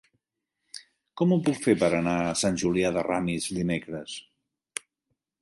Com ho puc fer per anar a Sant Julià de Ramis dimecres?